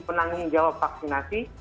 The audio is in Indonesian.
penanggung jawab vaksinasi